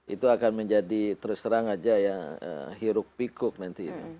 itu akan menjadi terus terang aja ya hiruk pikuk nanti itu